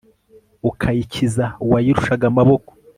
ukayikiza uwayirushaga amaboko